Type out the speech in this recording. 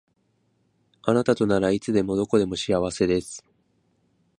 あなたとならいつでもどこでも幸せです